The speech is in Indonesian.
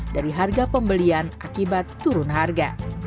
dari harga pembelian akibat turun harga